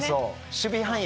守備範囲